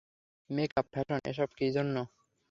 Make-up, fashion এসব কি জন্য?